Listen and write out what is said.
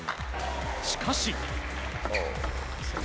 しかし。